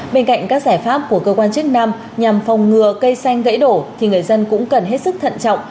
bên cạnh các giải pháp của cơ quan chức năng nhằm phòng ngừa cây xanh gãy đổ thì người dân cũng cần hết sức thận trọng